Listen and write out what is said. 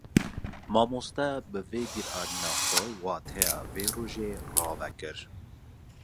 Mamoste, bi vê bîranîna xwe, wateya vê rojevê rave kir